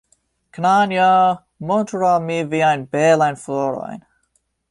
Knanjo! Montru al mi viajn belajn florojn!